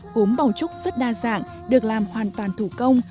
gốm bảo trúc rất đa dạng được làm hoàn toàn thủ công